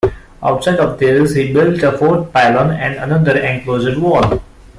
Outside of this, he built a fourth pylon and another enclosure wall.